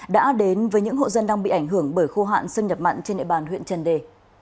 đã đến với những hộ dân đang bị ảnh hưởng bởi khô hạn xâm nhập mặn trên địa bàn huyện trần đề